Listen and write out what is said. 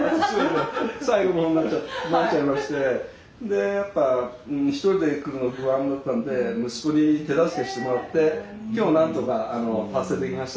でやっぱ一人で来るの不安だったんで息子に手助けしてもらって今日何とか達成できました。